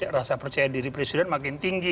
rasa percaya diri presiden makin tinggi